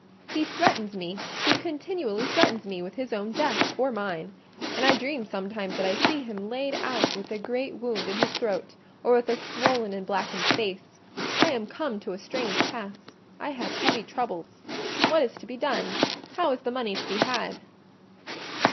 He threatens me—he continually threatens me with his own death, or mine: and I dream sometimes that I see him laid out with a great wound in his throat, or with a swollen and blackened face. I am come to a strange pass: I have heavy troubles. What is to be done? How is the money to be had?"